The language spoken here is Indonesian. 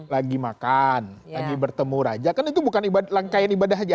lagi makan lagi bertemu raja kan itu bukan rangkaian ibadah haji